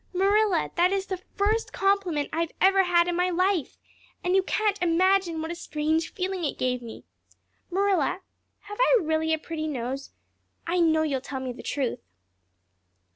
Marilla, that is the first compliment I have ever had in my life and you can't imagine what a strange feeling it gave me. Marilla, have I really a pretty nose? I know you'll tell me the truth."